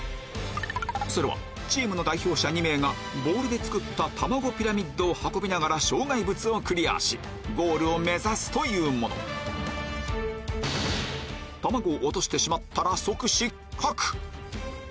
それはチームの代表２名がボールで作ったたまごピラミッドを運びながら障害物をクリアしゴールを目指すというものまずはスタート！